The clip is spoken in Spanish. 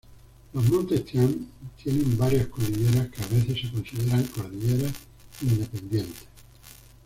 Los montes Tian tienen varias cordilleras que a veces se consideran cordilleras independientes.